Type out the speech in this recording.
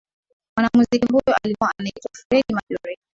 mwanamuziki huyo alikuwa anaitwa freddie mercury